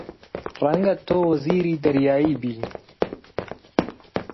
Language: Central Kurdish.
ڕەنگە تۆ وەزیری دەریایی بی!